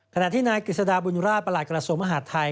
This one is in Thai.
ขณะที่นายกฤษฎาบุญราชประหลัดกระทรวงมหาดไทย